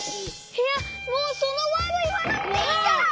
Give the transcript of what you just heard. いやもうそのワードいわなくていいから。